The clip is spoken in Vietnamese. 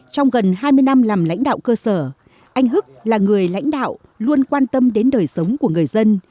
trong gần hai mươi năm làm lãnh đạo cơ sở anh hức là người lãnh đạo luôn quan tâm đến đời sống của người dân